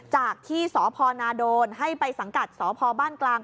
จากที่สพนาโดนให้ไปสังกัดสพบ้านกลาง